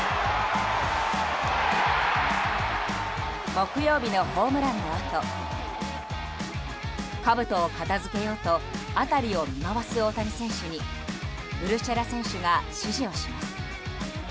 木曜日のホームランのあとかぶとを片付けようと辺りを見回す大谷選手にウルシェラ選手が指示をします。